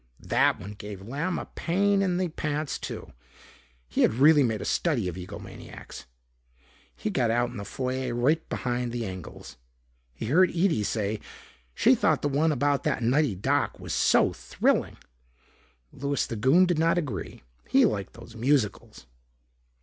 That one gave Lamb a pain in the pants too. He had really made a study of ego maniacs. He got out in the foyer right behind the Engels. He heard Ede say she thought the one about that "nutty doc" was so thrilling. Louis the Goon did not agree. He liked those musicals.